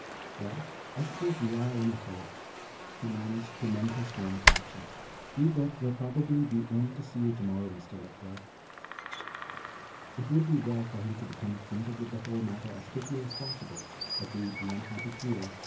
"Well, I suppose we are in a hole." He managed to mend his tone a fraction. "Rupert will probably be in to see you tomorrow, Mr. LeFleur." "It would be well for him to become acquainted with the whole matter as quickly as possible," agreed the unhappy Creole.